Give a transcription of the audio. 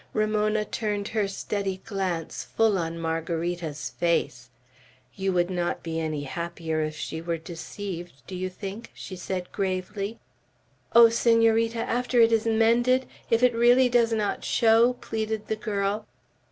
Ramona turned her steady glance full on Margarita's face. "You would not be any happier if she were deceived, do you think?" she said gravely. "O Senorita, after it is mended? If it really does not show?" pleaded the girl.